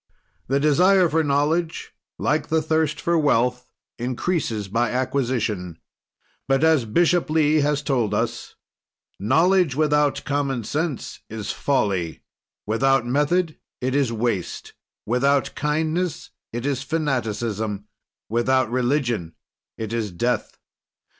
The desire for knowledge, like the thirst for wealth, increases by acquisition, but as Bishop Lee has told us, "Knowledge without common sense is folly; without method it is waste; without kindness it is fanaticism; without religion it is death."